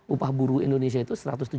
upah buruh indonesia itu satu ratus tujuh puluh